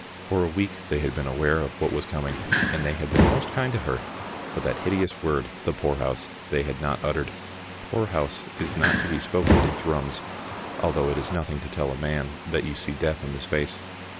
For a week they had been aware of what was coming, and they had been most kind to her, but that hideous word, the poorhouse, they had not uttered. Poorhouse is not to be spoken in Thrums, though it is nothing to tell a man that you see death in his face.